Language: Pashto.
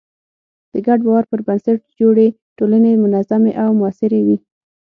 د ګډ باور پر بنسټ جوړې ټولنې منظمې او موثرې وي.